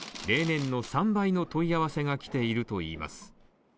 例年の３倍の問い合わせがきているといいます。